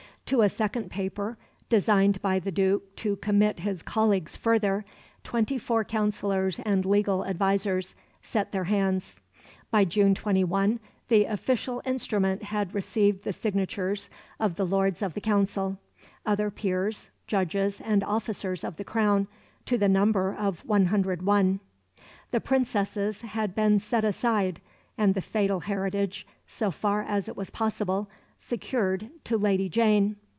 To a second paper, designed by the Duke to commit his colleagues further, twenty four councillors and legal advisers set their hands. By June 21 the official instrument had received the signatures of the Lords of the Council, other peers, judges, and officers of the Crown, to the number of 101. The Princesses had been set aside, and the fatal heritage, so far as it was possible, secured to Lady Jane.